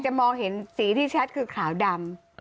มองเห็นสีที่ชัดคือขาวดำ